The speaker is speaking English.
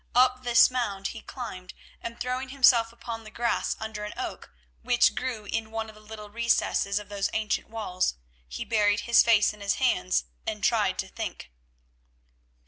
Up this mound he climbed, and throwing himself upon the grass under an oak which grew in one of the little recesses of those ancient walls, he buried his face in his hands and tried to think.